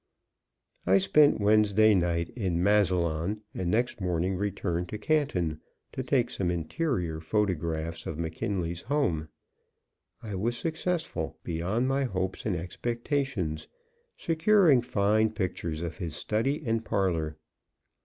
I spent Wednesday night in Massillon, and next morning returned to Canton, to take some interior photographs of McKinley's home. I was successful, beyond my hopes and expectations, securing fine pictures of his study and parlor.